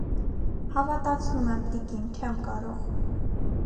- Հավատացնում եմ, տիկին, չեմ կարող: